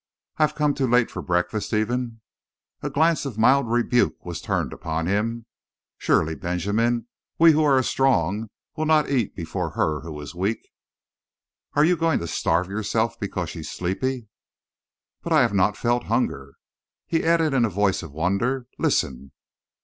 "I've come too late for breakfast, even?" A glance of mild rebuke was turned upon him. "Surely, Benjamin, we who are strong will not eat before her who is weak?" "Are you going to starve yourself because she's sleepy?" "But I have not felt hunger." He added in a voice of wonder: "Listen!"